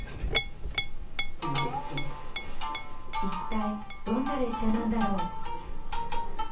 一体どんな列車なんだろう？